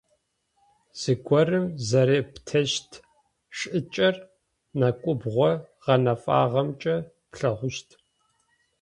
Зыгорэм зэрептыщт шӏыкӏэр нэкӏубгъо гъэнэфагъэмкӏэ плъэгъущт.